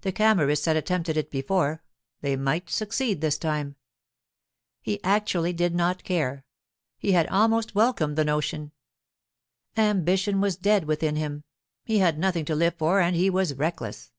The Camorrists had attempted it before; they might succeed this time. He actually did not care; he almost welcomed the notion. Ambition was dead within him; he had nothing to live for and he was reckless.